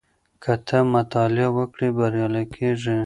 که ته مطالعه وکړې بریالی کېږې.